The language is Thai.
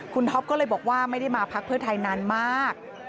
คุณท็อปก็เลยบอกว่าไม่ได้มาพักเพื่อไทยนานมาก